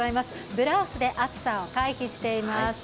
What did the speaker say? ブラウスで暑さを回避しています。